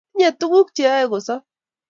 tinyei tuguk cheyoe kosop